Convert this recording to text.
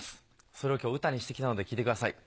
それを今日歌にしてきたので聞いてください。